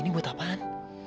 ini mau tapan